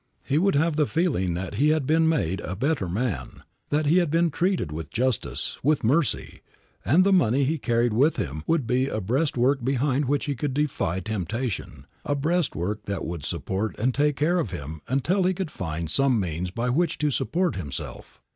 He would have the feeling that he had been made a better man; that he had been treated with justice, with mercy, and the money he carried with him would be a breastwork behind which he could defy temptation, a breastwork that would support and take care of him until he could find some means by which to support himself.